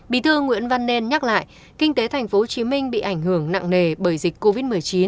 bí thư nguyễn văn nên nhắc lại kinh tế tp hcm bị ảnh hưởng nặng nề bởi dịch covid một mươi chín